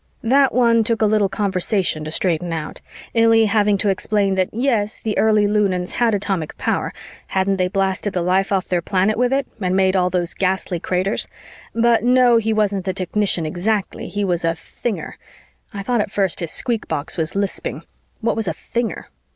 That one took a little conversation to straighten out, Illy having to explain that, yes, the Early Lunans had atomic power hadn't they blasted the life off their planet with it and made all those ghastly craters? but no, he wasn't a technician exactly, he was a "thinger" (I thought at first his squeakbox was lisping); what was a thinger?